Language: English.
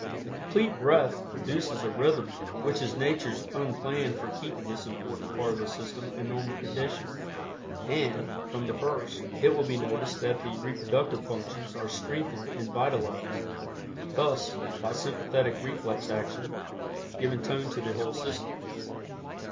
The Complete Breath produces a rhythm which is Nature's own plan for keeping this important part of the system in normal condition, and, from the first, it will be noticed that the reproductive functions are strengthened and vitalized, thus, by sympathetic reflex action, giving tone to the whole system.